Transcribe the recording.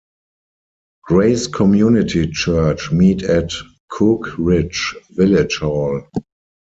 Grace Community Church meet at Cookridge Village Hall.